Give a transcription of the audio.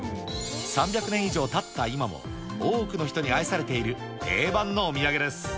３００年以上たった今も、多くの人に愛されている定番のお土産です。